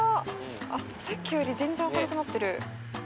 あっさっきより全然明るくなってる。